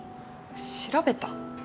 調べた？